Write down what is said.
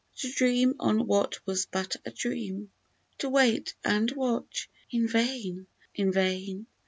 To dream on what was but a dream, To wait and watch, in vain, in vain